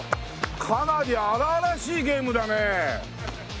かなり荒々しいゲームだね。